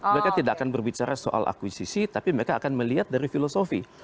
mereka tidak akan berbicara soal akuisisi tapi mereka akan melihat dari filosofi